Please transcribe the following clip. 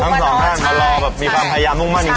ทั้งสองท่านมารอแบบมีความพยายามมุ่งมั่นอยู่